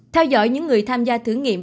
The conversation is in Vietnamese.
theo dõi những người tham gia thử nghiệm